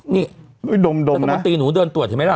เนี่ยดมน้ำมันตีหนูเดินตรวจเห็นไหมล่ะ